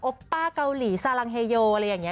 ป้าเกาหลีซาลังเฮโยอะไรอย่างนี้